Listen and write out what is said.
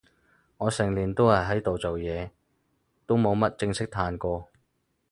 我成年都喺度做嘢，都冇乜正式嘆過